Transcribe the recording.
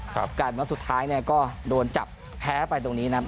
กลายเป็นว่าสุดท้ายเนี่ยก็โดนจับแพ้ไปตรงนี้นะครับ